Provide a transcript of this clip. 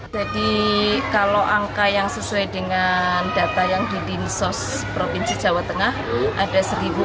jadi kalau angka yang sesuai dengan data yang didinsos provinsi jawa tengah ada satu enam belas